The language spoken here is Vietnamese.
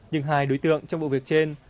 nhưng hai đối tượng trong vụ việc trên